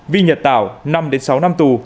vi nhật tảo năm sáu năm tù